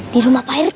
di rumah pak rt